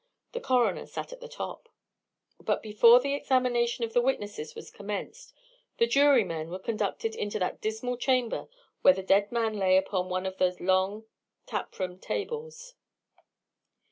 The coroner sat at the top. But before the examination of the witnesses was commenced, the jurymen were conducted into that dismal chamber where the dead man lay upon one of the long tap room tables.